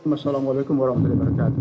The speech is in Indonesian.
assalamualaikum warahmatullahi wabarakatuh